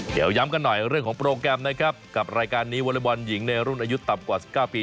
เดี๋ยวย้ำกันหน่อยเรื่องของโปรแกรมนะครับกับรายการนี้วอเล็กบอลหญิงในรุ่นอายุต่ำกว่า๑๙ปี